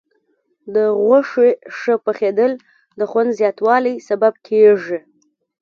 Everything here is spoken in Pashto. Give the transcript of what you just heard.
د غوښې ښه پخېدل د خوند زیاتوالي سبب کېږي.